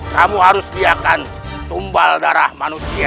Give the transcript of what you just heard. kamu harus biarkan tumbal darah manusia